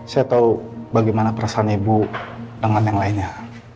saya tahu bagaimana perasaan ibu dengan yang lainnya